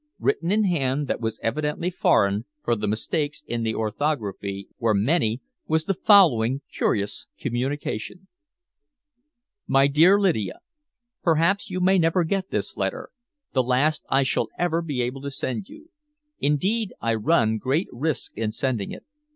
Written in a hand that was evidently foreign, for the mistakes in the orthography were many, was the following curious communication: "My Dear Lydia: "Perhaps you may never get this letter the last I shall ever be able to send you. Indeed, I run great risks in sending it.